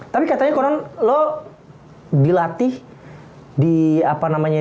tapi katanya konon lo dilatih di apa namanya